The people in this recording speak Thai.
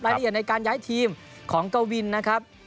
ละเอียดในการย้ายทีมของกวินนะครับ